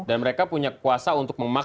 dan mereka punya kekuasa untuk memaksa